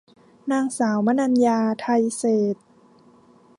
นางสาวมนัญญา ไทยเศรษฐ์